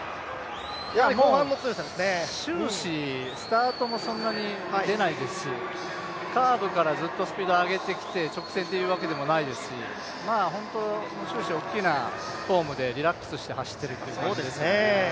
終始スタートもそんなに出ないですし、カーブからずっとスピード上げてきて直線というわけでもないですし、終始大きなフォームでリラックスして走っているという感じですかね。